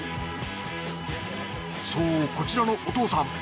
そうこちらのお父さん。